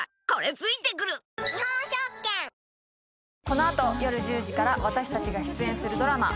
この後夜１０時から私たちが出演するドラマ